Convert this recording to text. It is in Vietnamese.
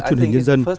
truyền hình nhân dân